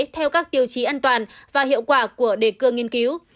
theo các tiêu chí an toàn và hiệu quả của đề cương nghiên cứu